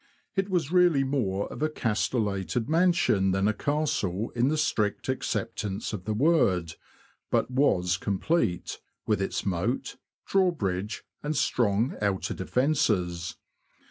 It was really more of a castellated mansion than a castle in the strict acceptance of the word, but was complete, with its moat, drawbridge, and strong outer defences.